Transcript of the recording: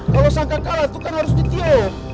kalau sangka kala itu kan harus ditiuh